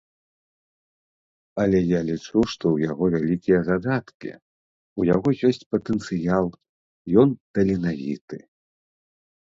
Але я лічу, што ў яго вялікія задаткі, у яго ёсць патэнцыял, ён таленавіты.